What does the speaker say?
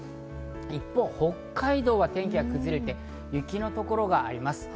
一方、北海道は天気が崩れて雪の所があります。